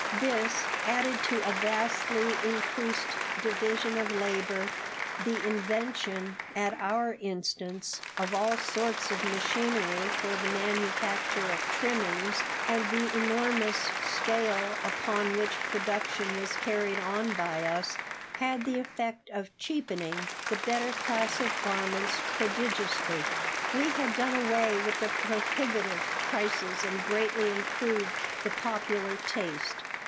This added to a vastly increased division of labor, the invention, at our instance, of all sorts of machinery for the manufacture of trimmings, and the enormous scale upon which production was carried on by us had the effect of cheapening the better class of garments prodigiously. We had done away with prohibitive prices and greatly improved the popular taste.